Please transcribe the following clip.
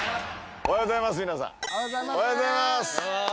おはようございます。